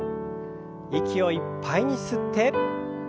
息をいっぱいに吸って。